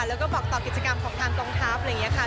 แล้วก็บอกต่อกิจกรรมของทางกองทัพอะไรอย่างนี้ค่ะ